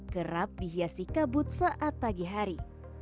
kerap dihiasi kabut saat pagi hari